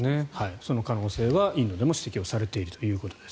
その可能性はインドでも指摘されているということです。